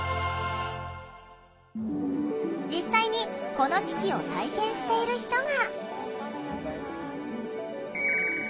実際にこの機器を体験している人が。